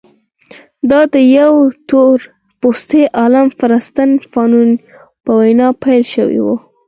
دا د یوه تور پوستي عالم فرانټس فانون په وینا پیل شوې وه.